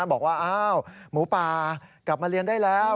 บอกว่าอ้าวหมูป่ากลับมาเรียนได้แล้ว